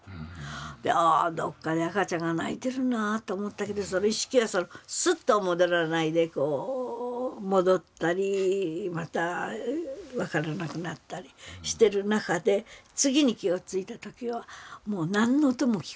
「ああどっかで赤ちゃんが泣いてるな」と思ったけど意識がスッとは戻らないでこう戻ったりまた分からなくなったりしてる中で次に気が付いた時はもう何の音も聞こえなかった。